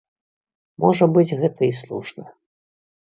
Можа быць, гэта і слушна.